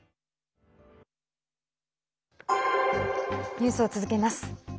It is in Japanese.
ニュースを続けます。